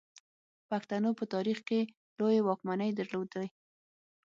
پښتنو په تاریخ کې لویې واکمنۍ درلودې